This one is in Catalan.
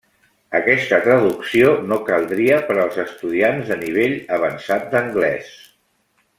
Aquesta traducció no caldria per als estudiants de nivell avançat d'anglès.